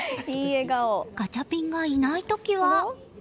ガチャピンがいない時は。